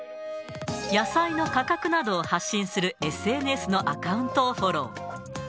野菜の価格などを発信するＳＮＳのアカウントをフォロー。